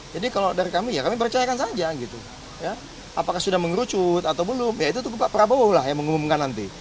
jadi kalau dari kami ya kami percayakan saja gitu apakah sudah mengerucut atau belum ya itu pak prabowo lah yang mengumumkan nanti